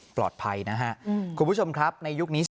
ปลอดภัยนะฮะคุณผู้ชมครับในยุคนี้